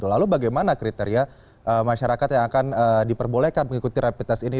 lalu bagaimana kriteria masyarakat yang akan diperbolehkan mengikuti rapid test ini